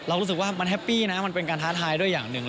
รู้สึกว่ามันแฮปปี้นะมันเป็นการท้าทายด้วยอย่างหนึ่ง